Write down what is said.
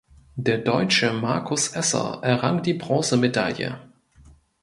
Der Deutsche Markus Esser errang die Bronzemedaille.